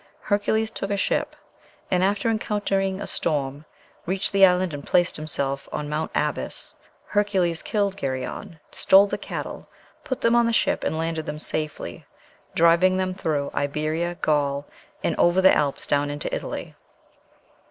Hercules took a ship, and after encountering a storm, reached the island and placed himself on Mount Abas. Hercules killed Geryon, stole the cattle, put them on the ship, and landed them safely, driving them "through Iberia, Gaul, and over the Alps down into Italy."